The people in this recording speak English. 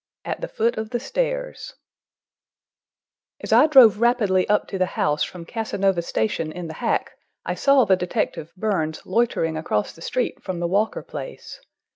AT THE FOOT OF THE STAIRS As I drove rapidly up to the house from Casanova Station in the hack, I saw the detective Burns loitering across the street from the Walker place.